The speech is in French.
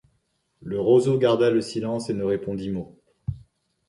Le roseau garda le silence et ne répondit mot.